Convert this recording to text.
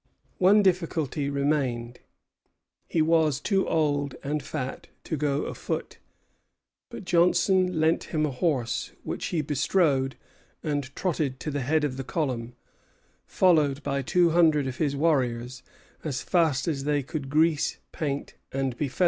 One difficulty remained. He was too old and fat to go afoot; but Johnson lent him a horse, which he bestrode, and trotted to the head of the column, followed by two hundred of his warriors as fast as they could grease, paint, and befeather themselves.